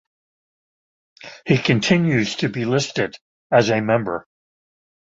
He continues to be listed as a member.